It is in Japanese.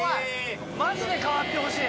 まじで代わってほしい。